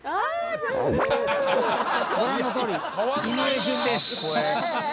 ご覧のとおり井上順です。